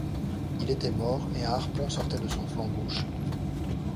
Il était mort, et un harpon sortait de son flanc gauche